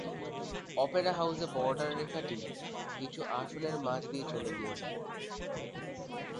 Opera হাউজে border রেখাটি কিছু আসনের মাঝ দিয়ে চলে গিয়েছে।